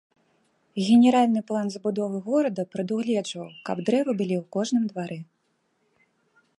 Генеральны план забудовы горада прадугледжваў, каб дрэвы былі ў кожным двары.